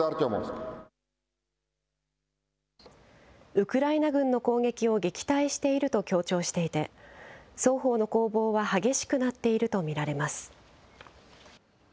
ウクライナ軍の攻撃を撃退していると強調していて、双方の攻防は激しくなっていると見られます。